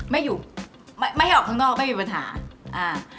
ไม่อยู่ไม่ไม่ให้ออกข้างนอกไม่มีปัญหาอ่า